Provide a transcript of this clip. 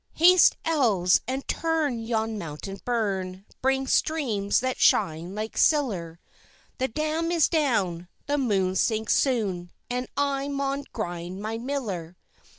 Haste, Elves, and turn yon mountain burn Bring streams that shine like siller; The dam is down, the moon sinks soon, And I maun grind my miller.